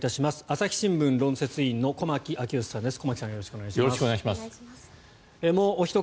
朝日新聞論説委員の駒木明義さんです。